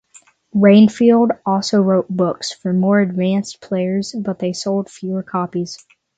Reinfeld also wrote books for more advanced players, but they sold fewer copies.